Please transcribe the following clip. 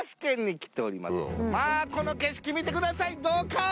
まぁこの景色見てくださいドカン！